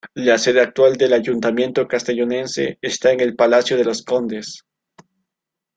La sede actual del ayuntamiento castellonense está en el Palacio de los Condes.